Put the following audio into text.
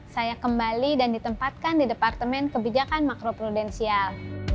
saya kembali dan ditempatkan di departemen kebijakan makro prudensial